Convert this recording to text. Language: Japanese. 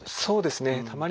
そうですね。